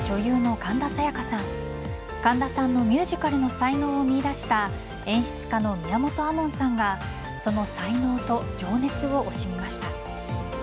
神田さんのミュージカルの才能を見いだした演出家の宮本亞門さんがその才能と情熱を惜しみました。